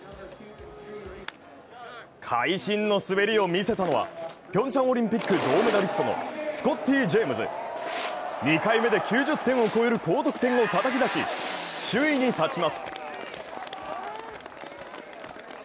会心の滑りを見せたのは、ピョンチャンオリンピック銅メダリストのスコッティ・ジェームズ２回目で９０点を超える高得点をたたき出し首位に立ちます。